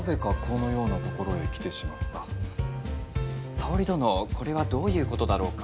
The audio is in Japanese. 沙織殿これはどういうことだろうか？